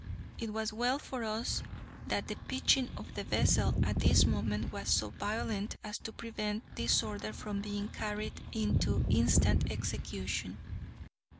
It was well for us that the pitching of the vessel at this moment was so violent as to prevent this order from being carried into instant execution.